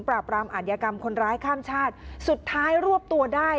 ปราบรามอาธิกรรมคนร้ายข้ามชาติสุดท้ายรวบตัวได้